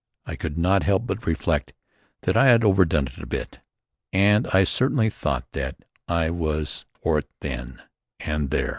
I could not help but reflect that I had overdone it a bit. And I certainly thought that I was "for it" then and there.